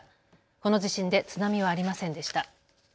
この地震で津波はありませんでした。